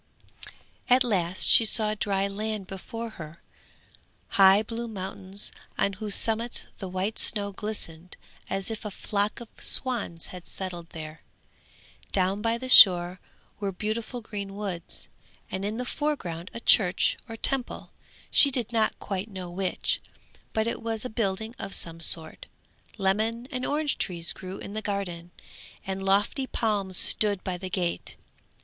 At last she saw dry land before her, high blue mountains on whose summits the white snow glistened as if a flock of swans had settled there; down by the shore were beautiful green woods, and in the foreground a church or temple, she did not quite know which, but it was a building of some sort. Lemon and orange trees grew in the garden, and lofty palms stood by the gate.